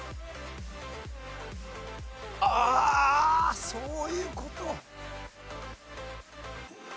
ああそういう事。